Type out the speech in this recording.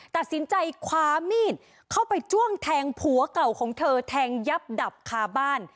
ตัดสินใจคว้ามีดเข้าไปจ้วงแทงผัวเก่าของเธอแทงยับดับคาบ้าน